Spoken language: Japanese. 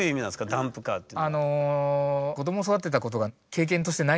「ダンプカー」っていうのは。